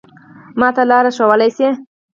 ما ته لاره ښوولای شې؟